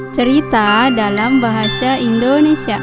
cerita dalam bahasa indonesia